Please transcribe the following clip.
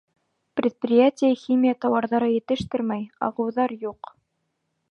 Предприятие химия тауарҙары етештермәй, ағыуҙар юҡ.